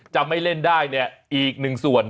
จะไม่เล่นได้เนี่ยอีกหนึ่งส่วน